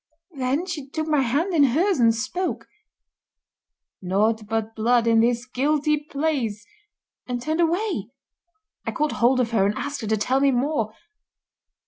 Then she took my hand in hers and spoke: 'Naught but blood in this guilty place,' and turned away. I caught hold of her and asked her to tell me more.